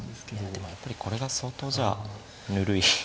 でもやっぱりこれが相当じゃあぬるい。